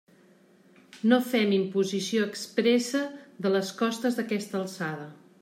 No fem imposició expressa de les costes d'aquesta alçada.